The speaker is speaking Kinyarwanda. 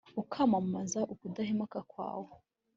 ukamamaza ubudahemuka bwawe